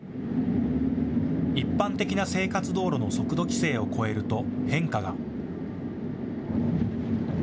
一般的な生活道路の速度規制を超えると変化が。